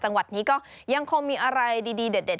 จังหวัดนี้ก็ยังคงมีอะไรดีเด็ด